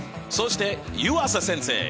そして湯浅先生。